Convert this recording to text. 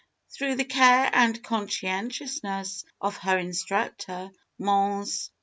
Through the care and conscientiousness of her instructor, Mons.